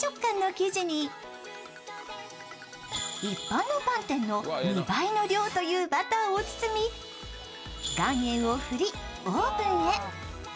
一般のパン店の２倍の量というバターを包み、岩塩を振り、オーブンへ。